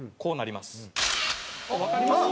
わかります？